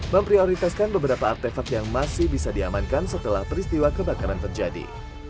memprioritaskan beberapa artefak yang masih bisa diamankan setelah peristiwa kebakaran terjadi